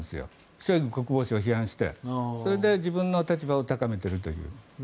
ショイグ国防相を批判してそこで自分の立場を高めていると。